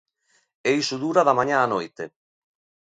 E iso dura da mañá á noite.